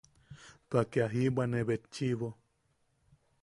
Pake aa jibwanebetchiʼibo.